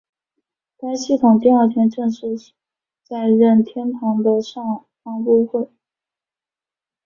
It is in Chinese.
该系统第二天正式在任天堂的上发布。